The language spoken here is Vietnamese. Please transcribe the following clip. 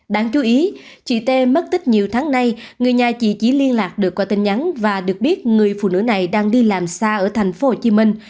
đáng chú ý chị tê mất tích nhiều tháng nay người nhà chị chỉ liên lạc được qua tin nhắn và được biết người phụ nữ này đang đi làm xa ở thành phố hồ chí minh